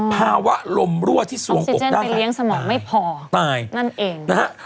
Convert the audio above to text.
ภาวะลมรั่วที่สวงอกด้านซ้ายตายตาย